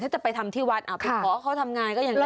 ถ้าจะไปทำที่วัดไปขอเขาทำงานก็ยังได้